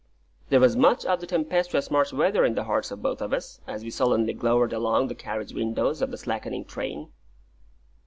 There was much of the tempestuous March weather in the hearts of both of us, as we sullenly glowered along the carriage windows of the slackening train.